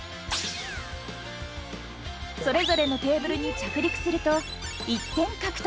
それぞれのテーブルに着陸すると１点獲得。